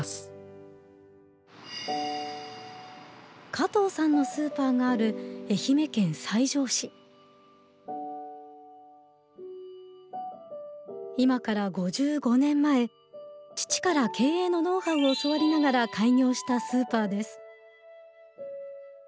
加藤さんのスーパーがある今から５５年前父から経営のノウハウを教わりながら開業したスーパーです。